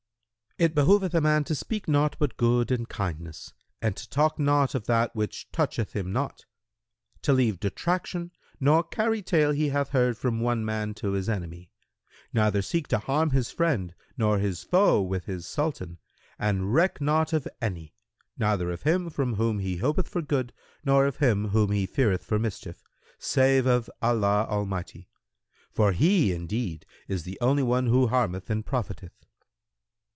"—"It behoveth a man to speak naught but good and kindness and to talk not of that which toucheth him not; to leave detraction nor carry tale he hath heard from one man to his enemy, neither seek to harm his friend nor his foe with his Sultan and reck not of any (neither of him from whom he hopeth for good nor of him whom he feareth for mischief) save of Allah Almighty; for He indeed is the only one who harmeth or profiteth.